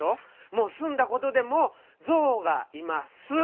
もうすんだことでもゾウが「います」。